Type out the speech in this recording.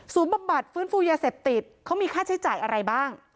บำบัดฟื้นฟูยาเสพติดเขามีค่าใช้จ่ายอะไรบ้าง